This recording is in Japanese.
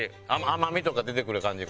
甘みとか出てくる感じ